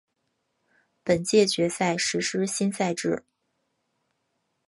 本届决赛实施新赛制。